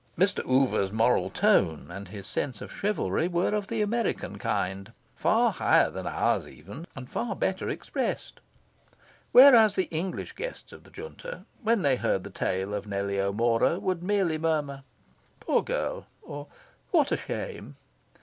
Mr. Oover's moral tone, and his sense of chivalry, were of the American kind: far higher than ours, even, and far better expressed. Whereas the English guests of the Junta, when they heard the tale of Nellie O'Mora, would merely murmur "Poor girl!" or "What a shame!"